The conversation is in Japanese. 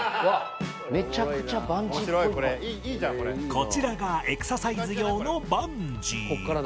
こちらがエクササイズ用のバンジー